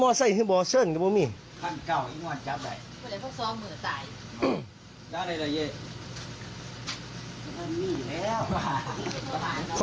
ขอลองกันออกจากพื้นที่พร้อมไปซะ